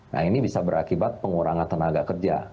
nah ini bisa berakibat pengurangan tenaga kerja